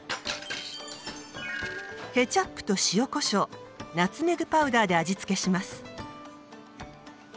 ケチャップと塩こしょうナツメグパウダーで味付けします。